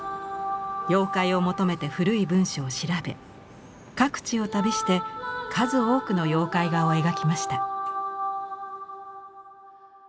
妖怪を求めて古い文書を調べ各地を旅して数多くの妖怪画を描きました。